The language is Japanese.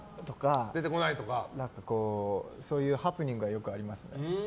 そういうハプニングがよくありますね。